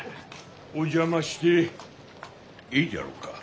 お邪魔してええじゃろうか。